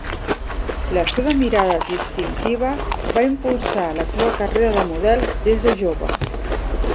La seva mirada distintiva va impulsar la seva carrera de model des de jove.